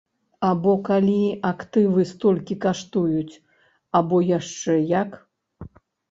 Або калі актывы столькі каштуюць, або яшчэ як?